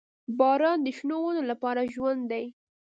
• باران د شنو ونو لپاره ژوند دی.